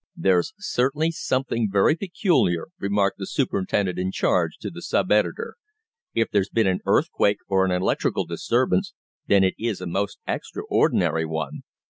"There's certainly something very peculiar," remarked the superintendent in charge to the sub editor. "If there's been an earthquake or an electrical disturbance, then it is a most extraordinary one.